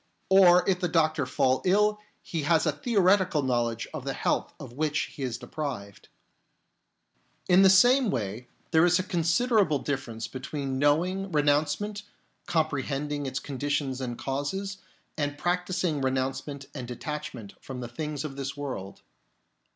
Or if the doctor fall ill, he has a theoretical knowledge of the health of which he is deprived. In the same way there is a considerable differ ence between knowing renouncement, compre hending its conditions and causes, and practising renouncement and detachment from the things of this world.